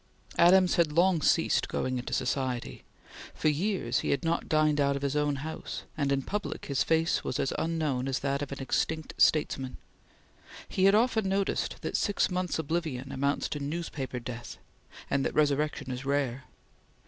Adams had long ceased going into society. For years he had not dined out of his own house, and in public his face was as unknown as that of an extinct statesman. He had often noticed that six months' oblivion amounts to newspaper death, and that resurrection is rare.